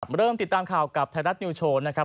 เริ่มติดตามข่าวกับไทยรัฐนิวโชว์นะครับ